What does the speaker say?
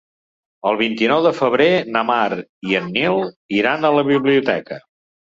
El vint-i-nou de febrer na Mar i en Nil iran a la biblioteca.